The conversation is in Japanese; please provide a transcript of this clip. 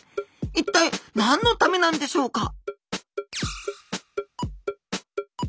一体何のためなんでしょうか？